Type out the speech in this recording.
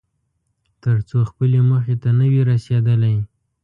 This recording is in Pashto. تر څو خپلې موخې ته نه وې رسېدلی.